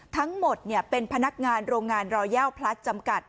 ทั้งหมดเป็นพนักงานโรงงานรอย่าวพลัดจำกัด